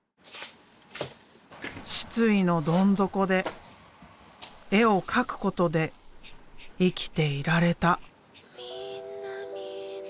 失意のどん底で絵を描くことで生きていられた。